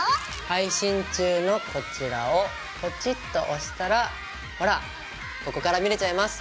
配信中のこちらをポチッと押したらほらっここから見れちゃいます。